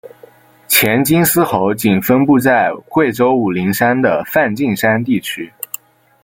黔金丝猴仅分布在贵州武陵山的梵净山地区。